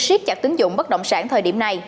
siết chặt tín dụng bất động sản thời điểm này